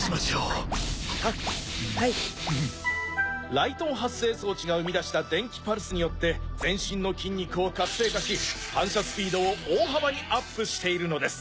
雷発生装置が生み出した電気パルスによ全身の筋肉を活性化し反射スピードを大幅にアップしているのです。